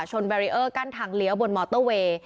แบรีเออร์กั้นทางเลี้ยวบนมอเตอร์เวย์